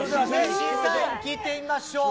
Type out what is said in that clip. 審査員に聞いてみましょう。